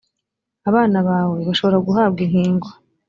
abana bawe bashobora guhabwa inkingo.